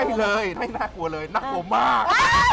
ไม่เลยไม่น่ากลัวเลยน่ากลัวมาก